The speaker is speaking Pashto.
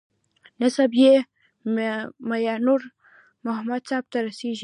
نسب یې میانور محمد صاحب ته رسېږي.